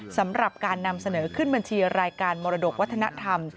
สำหรับการนำเสนอขึ้นบัญชีรายการมรดกวัฒนธรรม